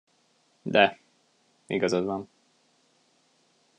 De, igazad van.